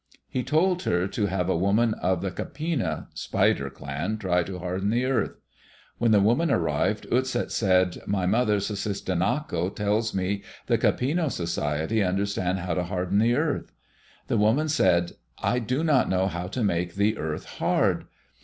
He told her to have a woman of the Kapina (spider) clan try to harden the earth. When the woman arrived, Utset said, "My mother, Sussistinnako tells me the Kapina society understand how to harden the earth." The woman said, "I do not know how to make the earth hard."